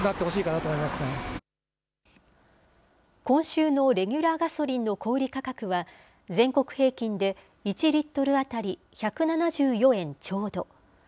今週のレギュラーガソリンの小売り価格は、全国平均で１リットル当たり１７４円ちょうど。